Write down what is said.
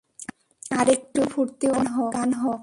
আরেকটু ফুর্তিওয়ালা গান হোক।